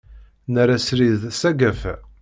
Nerra srid s agafa.